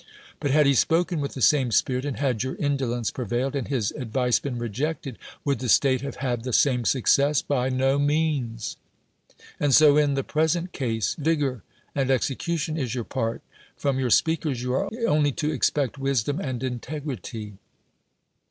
But had he spoken with the same spirit, and had your indolence prevailed, and his ad vice been rejected, would the state have had the same success ? By no means. And so in the pres ent case : vigor and execution is your part ; from your speakers you are only to expect wisdom and integrity.